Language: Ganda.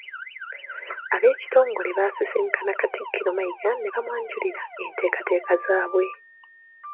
Ab'ekitongole baasisinkana Katikkiro Mayiga ne bamwanjulira enteekateeka zaabwe.